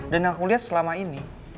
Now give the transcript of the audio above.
dan aku lihat selama ini